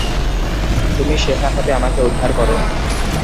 তুমি সেখান হতে আমাকে উদ্ধার করো।